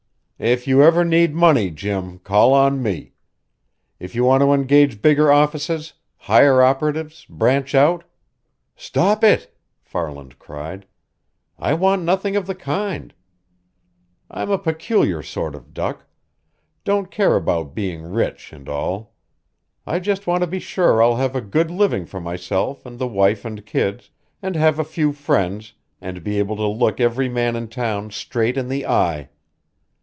"If you ever need money, Jim, call on me. If you want to engage bigger offices, hire operatives, branch out " "Stop it!" Farland cried. "I want nothing of the kind. I'm a peculiar sort of duck don't care about being rich at all. I just want to be sure I'll have a good living for myself and the wife and kids, and have a few friends, and be able to look every man in town straight in the eye.